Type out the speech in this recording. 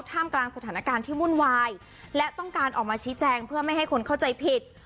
กลางสถานการณ์ที่วุ่นวายและต้องการออกมาชี้แจงเพื่อไม่ให้คนเข้าใจผิด